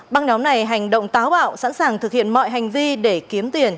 băng nhóm này hành động táo bạo sẵn sàng thực hiện mọi hành vi để kiếm tiền